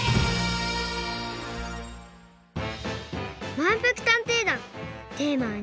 まんぷく探偵団テーマは「にんじん」。